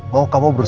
mau kamu berserah